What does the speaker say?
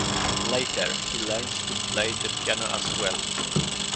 Later, he learnt to play the piano as well.